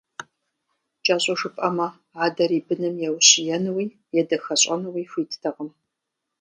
Кӏэщӏу жыпӏэмэ, адэр и быным еущиенууи, едахэщӏэнууи хуиттэкъым.